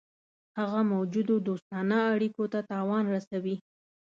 هغه موجودو دوستانه اړېکو ته تاوان رسوي.